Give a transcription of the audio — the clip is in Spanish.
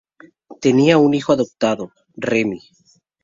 Tenía un hijo adoptado, Remy.